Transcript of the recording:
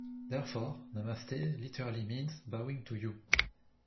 Therefore, Namaste literally means "bowing to you".